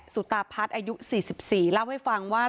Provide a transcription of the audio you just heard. ตาพัฒน์อายุ๔๔เล่าให้ฟังว่า